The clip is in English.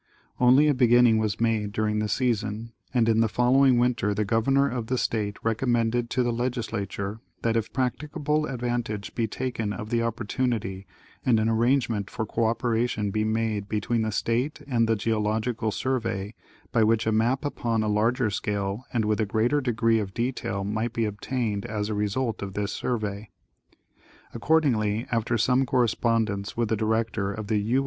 Only a beginning was made during the season, and in the following winter the Governor of the State recommended to the legislature that if practicable advantage be taken of the opportunity, and an arrangement for cooperation be made be tween the State and the Geological Survey, by which a map upon a larger scale and with a greater degree of detail might be ob tained as a result of this survey. Accordingly, after some corres pondence with the Director of the U.